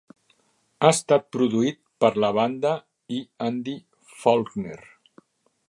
Ha estat produït per la banda i Andy Faulkner.